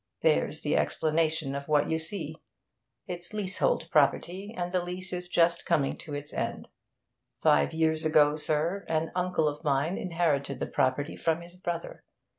There's the explanation of what you see. It's leasehold property, and the lease is just coming to its end. Five years ago, sir, an uncle of mine inherited the property from his brother.